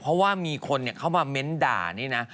เพราะว่ามีคนเข้ามาเม้นต์ด่านี่นะ